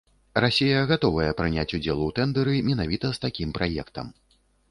Расія гатовая прыняць удзел у тэндэры менавіта з такім праектам.